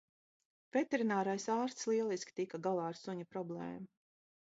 Veterinārais ārsts lieliski tika galā ar suņa problēmu